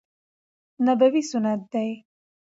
نبوي سنت دي.